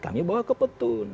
kami bawa ke petun